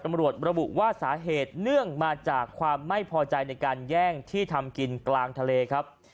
ตำรวจระบุว่าสาเหตุเนื่องมาจากความไม่พอใจในการแย่งที่ทำกินกลางทะเลครับ